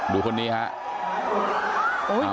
ดูคนนี้ฮะ